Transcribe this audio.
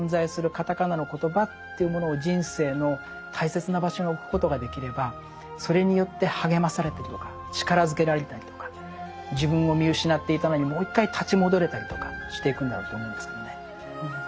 カタカナのコトバというものを人生の大切な場所に置くことができればそれによって励まされたりとか力づけられたりとか自分を見失っていたのにもう一回立ち戻れたりとかしていくんだろうと思うんですけどね。